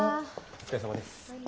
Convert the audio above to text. お疲れさまです。